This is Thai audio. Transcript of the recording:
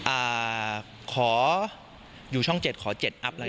อ่าขออยู่ช่องเจ็ดขอเจ็ดอัพอะไร